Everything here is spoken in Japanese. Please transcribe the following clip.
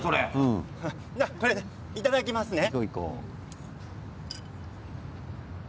いただきますね。